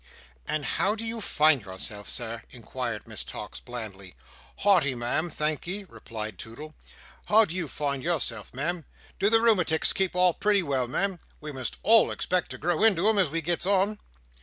"And how do you find yourself, Sir?" inquired Miss Tox, blandly. "Hearty, Ma'am, thank'ee," replied Toodle. "How do you find _your_self, Ma'am? Do the rheumaticks keep off pretty well, Ma'am? We must all expect to grow into 'em, as we gets on."